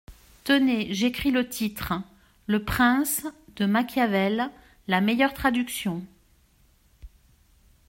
Tenez, j’écris le titre : le Prince , de Machiavel, la meilleure traduction.